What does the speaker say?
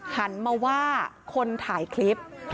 หันมาว่าคนถ่ายคลิป